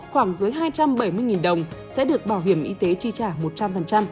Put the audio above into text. khoảng dưới hai trăm bảy mươi đồng sẽ được bảo hiểm y tế chi trả một trăm linh